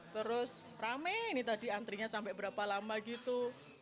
terus rame ini tadi antrinya sampai berapa lama gitu